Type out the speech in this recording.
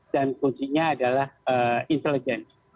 dan kuncinya adalah intelijens